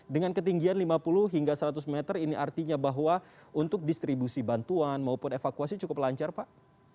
dengan ketinggian lima puluh hingga seratus meter ini artinya bahwa untuk distribusi bantuan maupun evakuasi cukup lancar pak